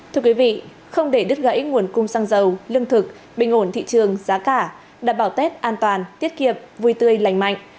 thưa quý vị không để đứt gãy nguồn cung xăng dầu lương thực bình ổn thị trường giá cả đảm bảo tết an toàn tiết kiệm vui tươi lành mạnh